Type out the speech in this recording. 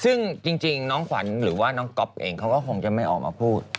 ซึ่งจริงน้องขวัญหรือว่าน้องก๊อฟเองเขาก็คงจะไม่ออกมาพูด